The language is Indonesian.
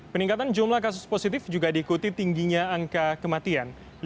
peningkatan jumlah kasus positif juga diikuti tingginya angka kematian